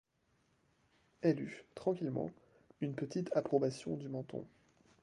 Elle eut, tranquillement, une petite approbation du menton.